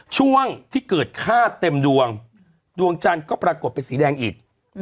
ช่วงที่เกิดค่าเต็มดวงดวงจันทร์ก็ปรากฏเป็นสีแดงอีก